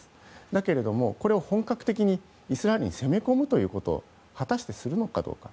だけれども、本格的にイスラエルに攻め込むことを果たしてするのかどうか。